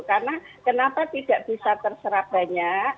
karena kenapa tidak bisa terserah banyak